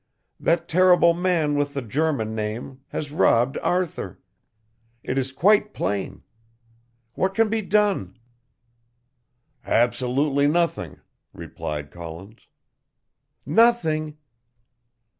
That terrible man with the German name has robbed Arthur. It is quite plain. What can be done?" "Absolutely nothing," replied Collins. "Nothing?"